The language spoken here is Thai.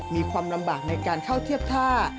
มีความลำบากในการเข้าเทียบท่า